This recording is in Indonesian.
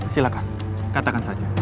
silakan katakan saja